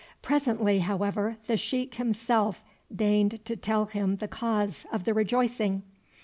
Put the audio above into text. Presently, however, the sheik himself deigned to tell him the cause of the rejoicing.